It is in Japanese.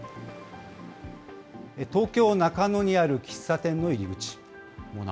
東京・中野にある喫茶店の入り口。